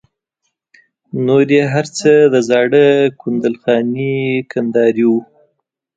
نور یې هر څه د زاړه کندل خاني کندهاري وو.